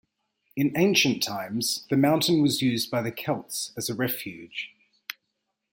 In ancient times the mountain was used by the Celts as a refuge.